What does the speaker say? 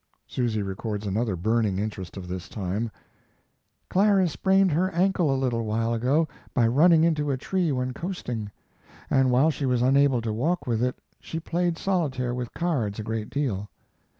Susy records another burning interest of this time: Clara sprained her ankle a little while ago by running into a tree when coasting, and while she was unable to walk with it she played solotaire with cards a great deal.